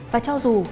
và cho dù